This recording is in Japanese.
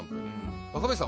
若林さん